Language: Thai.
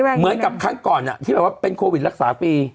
เหมือนกับครั้งก่อนที่แบบว่าเป็นโควิดรักษาฟรี